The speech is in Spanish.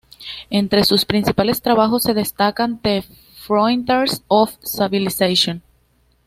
Entre sus principales trabajos se destacan “The frontiers of Civilization.